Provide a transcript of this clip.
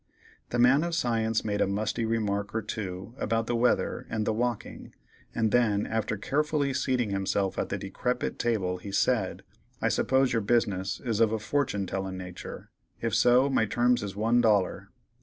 The man of science made a musty remark or two about the weather and the walking, and then, after carefully seating himself at the decrepit table, he said: "I suppose your business is of a fortun' tellin' natur; if so, my terms is one dollar."